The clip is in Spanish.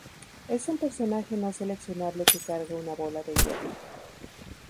Es un personaje no seleccionable que carga una bola de hierro.